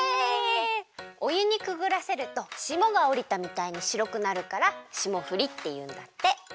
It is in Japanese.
おゆにくぐらせるとしもがおりたみたいにしろくなるからしもふりっていうんだって。